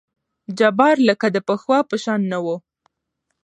جبار لکه د پخوا په شان نه وو.